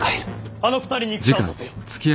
あの２人に戦をさせよ。